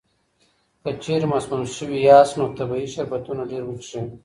که چېرې مسموم شوي یاست، نو طبیعي شربتونه ډېر وڅښئ.